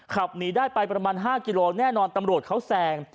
ขับหนีได้ไปประมาณ๕กิโลแน่นอนตำรวจเขาแซง